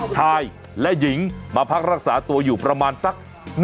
ชายและหญิงมาพักรักษาตัวอยู่ประมาณสัก